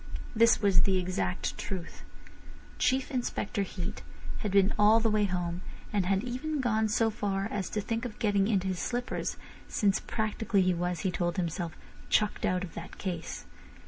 This was the exact truth. Chief Inspector Heat had been all the way home, and had even gone so far as to think of getting into his slippers, since practically he was, he told himself, chucked out of that case.